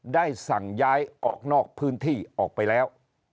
ได้สั่งย้ายออกนอกพื้นที่ออกไปแล้ว